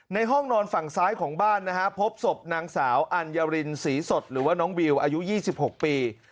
ห้องนอนฝั่งซ้ายของบ้านนะฮะพบศพนางสาวอัญรินศรีสดหรือว่าน้องวิวอายุ๒๖ปี